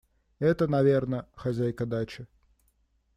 Это, наверно, хозяйка дачи.